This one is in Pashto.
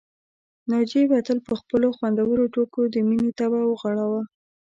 ناجيې به تل په خپلو خوندورو ټوکو د مينې طبع وغوړاوه